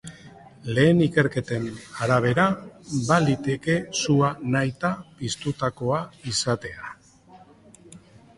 Lehen ikerketen arabera, baliteke sua nahita piztutakoa izatea.